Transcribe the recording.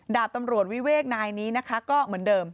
ดาบตำรวจวิเวกนายนี้นะคะก็เหมือนเดิม